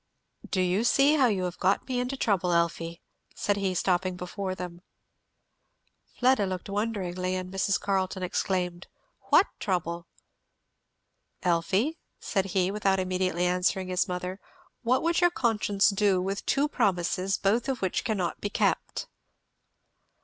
"Do you see how you have got me into trouble, Elfie?" said he, stopping before them. Fleda looked wonderingly, and Mrs. Carleton exclaimed, "What trouble?" "Elfie," said he, without immediately answering his mother, "what would your conscience do with two promises both of which cannot be kept?"